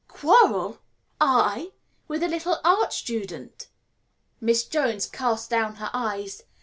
"Quarrel! I? With a little art student?" Miss Jones cast down her eyes.